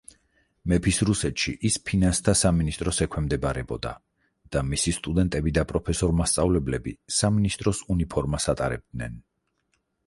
მეფის რუსეთში ის ფინანსთა სამინისტროს ექვემდებარებოდა და მისი სტუდენტები და პროფესორ-მასწავლებლები სამინისტროს უნიფორმას ატარებდნენ.